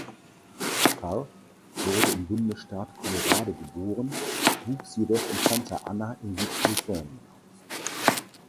Carr wurde im Bundesstaat Colorado geboren, wuchs jedoch in Santa Ana in Südkalifornien auf.